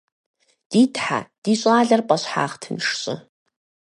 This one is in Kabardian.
Ди Тхьэ, ди щӏалэр пӏэщхьагъ тынш щӏы!